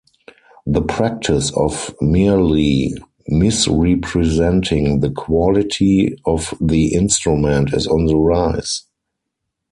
The practice of merely misrepresenting the quality of the instrument is on the rise.